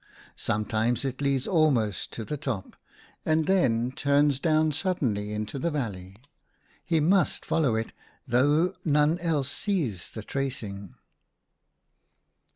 Sometimes it leads almost to the top, and then turns down suddenly into the valley. He must follow it, though none else sees the tracing."